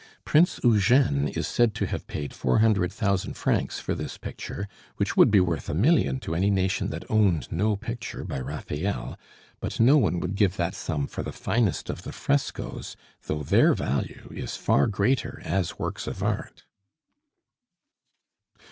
Prince Eugene is said to have paid four hundred thousand francs for this picture, which would be worth a million to any nation that owned no picture by Raphael, but no one would give that sum for the finest of the frescoes, though their value is far greater as works of art.